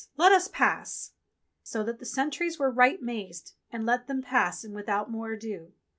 Let us pass." So that the sentries were right mazed, and let them pass in without more ado.